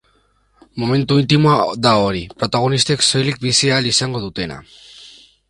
Momentu intimoa da hori, protagonistek soilik bizi ahal izango dutena.